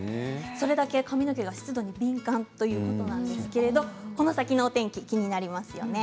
それだけ髪の毛が湿度に敏感だということなんですけどこの先のお天気気になりますよね。